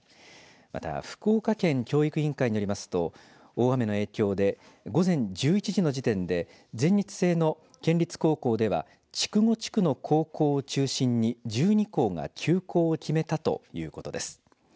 また福岡県教育委員会によりますと大雨の影響で午前１１時の時点で全日制の県立高校では筑後地区の高校を中心に１２校が休校を決めたということです。